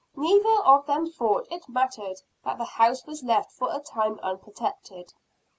Neither of them thought it mattered that the house was left for a time unprotected.